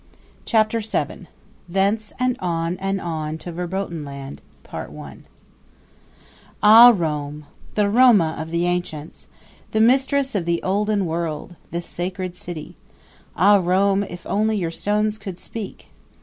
Chapter VII Thence On and On to Verbotenland Ah, Rome the Roma of the Ancients the Mistress of the Olden World the Sacred City! Ah, Rome, if only your stones could speak!